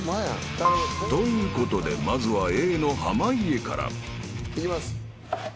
［ということでまずはＡの濱家から］いきます。